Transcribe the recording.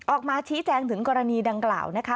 ออกมาชี้แจงถึงกรณีดังกล่าวนะคะ